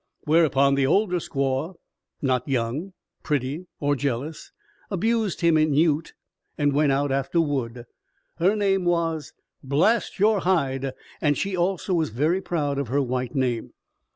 Whereupon the older squaw, not young, pretty or jealous, abused him in Ute and went out after wood. Her name was Blast Your Hide, and she also was very proud of her white name.